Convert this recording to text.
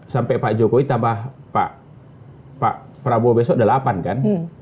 sampai pak jokowi tambah pak prabowo besok delapan kan